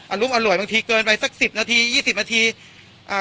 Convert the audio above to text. รุมอร่วยบางทีเกินไปสักสิบนาทียี่สิบนาทีอ่า